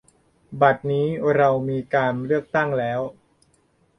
บัดนี้เรามีการเลือกตั้งแล้ว